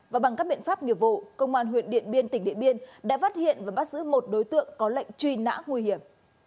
và bằng các biện pháp nghiệp vụ công an huyện điện biên tỉnh điện biên đã phát hiện và bắt giữ một đối tượng có lệnh truy nã nguy hiểm